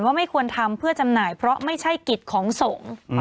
ว่าไม่ควรทำเพื่อจำหน่ายเพราะไม่ใช่กฤทธิ์ของส่ง